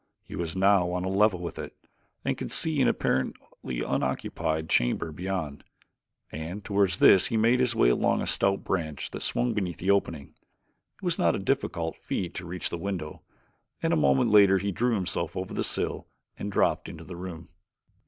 He was now on a level with it and could see an apparently unoccupied chamber beyond, and toward this he made his way along a stout branch that swung beneath the opening. It was not a difficult feat to reach the window, and a moment later he drew himself over the sill and dropped into the room.